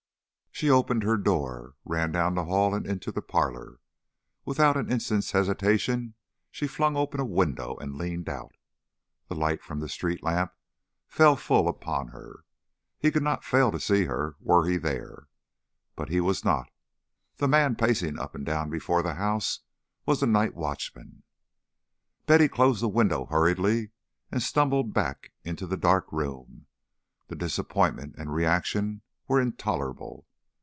She opened her door, ran down the hall and into the parlor. Without an instant's hesitation she flung open a window and leaned out. The light from the street lamp fell full upon her. He could not fail to see her were he there. But he was not. The man pacing up and down before the house was the night watchman. Betty closed the window hurriedly and stumbled back into the dark room. The disappointment and reaction were intolerable.